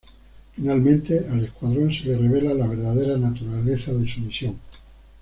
Finalmente, al escuadrón se le revela la verdadera naturaleza de su misión.